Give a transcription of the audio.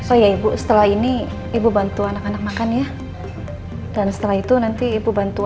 oh ya ibu setelah ini ibu bantu anak anak makan ya dan setelah itu nanti ibu bantu